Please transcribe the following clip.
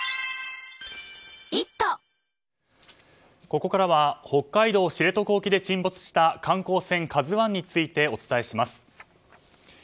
ここからは北海道知床沖で沈没した観光船「ＫＡＺＵ１」についてお伝えします。